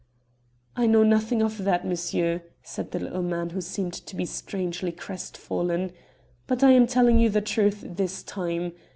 "I know nothing of that, monsieur," said the little man, who seemed to be strangely crestfallen, "but I am telling you the truth this time.